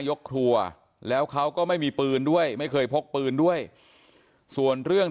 ยกครัวแล้วเขาก็ไม่มีปืนด้วยไม่เคยพกปืนด้วยส่วนเรื่อง